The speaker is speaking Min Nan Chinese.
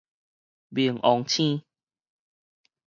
冥王星